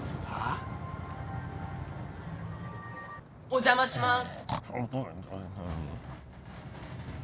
・お邪魔します。